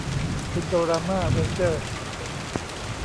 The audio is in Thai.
อินโดรามา เวนเจอร์ส